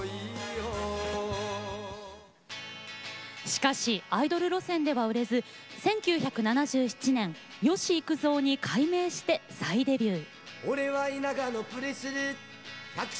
しかし、アイドル路線では売れず１９７７年、吉幾三に改名して再デビュー。